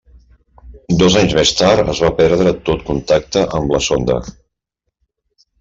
Dos anys més tard es va perdre tot contacte amb la sonda.